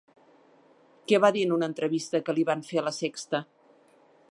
Què va dir en una entrevista que li van fer a La Sexta?